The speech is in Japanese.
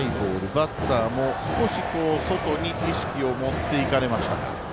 バッターも少し外に意識を持っていかれましたが。